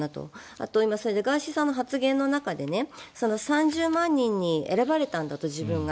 あと、ガーシーさんの発言の中で３０万人に選ばれたんだと自分が。